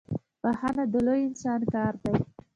بخښنه د لوی انسان کار دی.